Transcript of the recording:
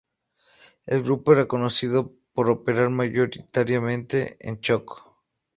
El grupo era conocido por operar mayoritariamente en Chocó.